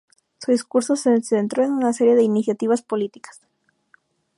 Su discurso se centró en una serie de iniciativas políticas.